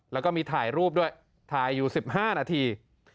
แล้วก็มีถ่ายรูปด้วยถ่ายอยู่๑๕นาที